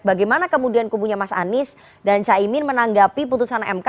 bagaimana kemudian kubunya mas anies dan caimin menanggapi putusan mk